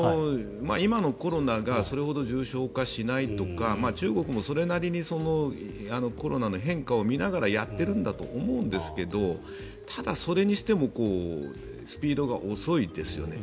今のコロナがそれほど重症化しないとか中国もそれなりにコロナの変化を見ながらやっているんだと思いますがただ、それにしてもスピードが遅いですよね。